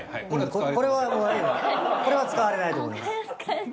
これはこれは使われないと思います。